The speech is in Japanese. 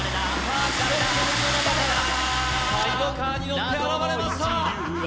サイドカーに乗って現れました！